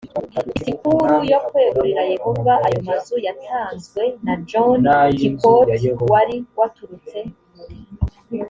disikuru yo kwegurira yehova ayo mazu yatanzwe na john kikot wari waturutse